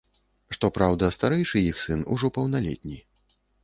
Што праўда, старэйшы іх сын ужо паўналетні.